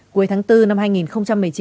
cuối tháng bốn năm hai nghìn một mươi chín